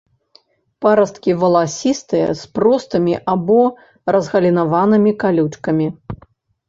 Парасткі валасістыя, з простымі або разгалінаванымі калючкамі.